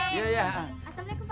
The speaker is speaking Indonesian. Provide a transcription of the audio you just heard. assalamualaikum pak haji